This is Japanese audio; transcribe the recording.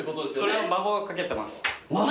・これは魔法かけてます。